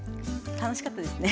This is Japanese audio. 楽しかったですね。